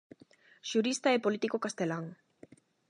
Xurista e político castelán.